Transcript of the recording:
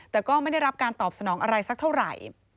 แต่ก็ไม่ได้รับการตอบสนองอะไรสักเท่าไหร่